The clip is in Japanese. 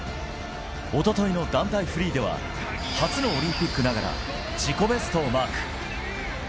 一昨日の団体フリーでは初のオリンピックながら自己ベストをマーク。